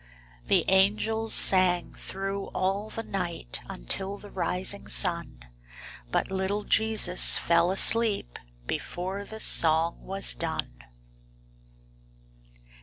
The angels sang thro' all the night Until the rising sun, But little Jesus fell asleep Before the song was done.